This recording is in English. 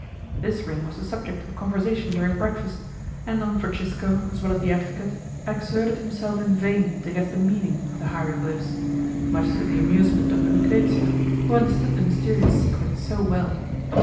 This ring was the subject of conversation during breakfast, and Don Francisco, as well as the advocate, exerted himself in vain to guess the meaning of the hieroglyphs; much to the amusement of Lucrezia, who understood the mysterious secret so well.